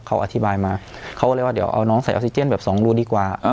เขาอธิบายมาเขาก็เลยว่าเดี๋ยวเอาน้องใส่ออกซิเจนแบบสองรูดีกว่า